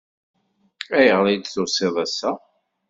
Ayɣer i d-tusiḍ ass-a?